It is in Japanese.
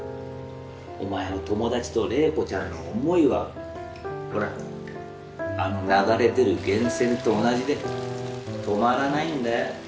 お前の友達と怜子ちゃんの思いはほらあの流れ出る源泉と同じで止まらないんだよ。